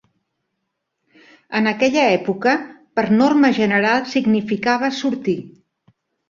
En aquella època, per norma general significava sortir.